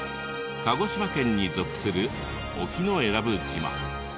鹿児島県に属する沖永良部島。